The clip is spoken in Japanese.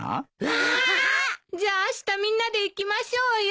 わあ！じゃああしたみんなで行きましょうよ！